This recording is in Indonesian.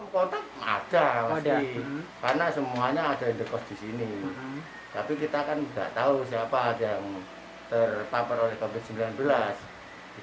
karena semuanya ada indekos disini tapi kita kan enggak tahu siapa yang terpapar oleh covid sembilan belas